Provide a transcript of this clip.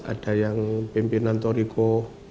ada yang pimpinan toriko